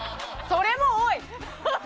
それもおい！